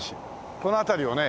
この辺りをね